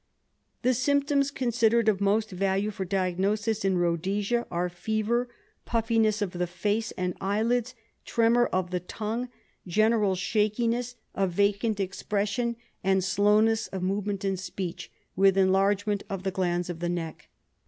The symptoms considered of most value for diagnosis in Ehodesia are fever, pufiiness of the face and eyelids, tremor of the tongue, general shakiness, a vacant expression and RESEARCH DEFENCE SOCIETY slowness of movement and speech, with enlargement of the glands of the neck.